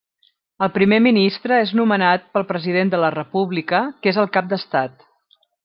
El primer ministre és nomenat pel President de la República, que és el cap d'estat.